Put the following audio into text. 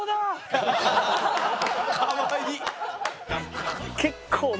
かわいい！